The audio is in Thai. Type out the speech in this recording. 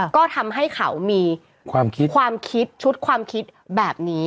ก็ทำให้เขามีความคิดความคิดชุดความคิดแบบนี้